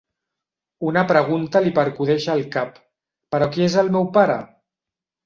Una pregunta li percudeix el cap. Però qui és el meu pare?